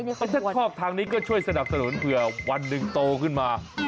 ถ้าชอบทางนี้ก็ช่วยสนับสนุนเผื่อวันหนึ่งโตขึ้นมา